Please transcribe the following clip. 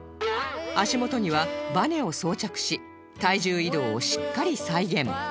足元にはバネを装着し体重移動をしっかり再現